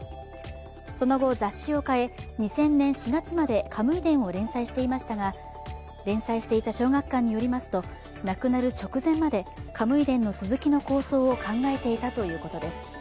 その後、雑誌を変え２０００年４月まで「カムイ伝」を連載していましたが、連載していた小学館によりますと亡くなる直前まで「カムイ伝」の続きの構想を考えていたということです。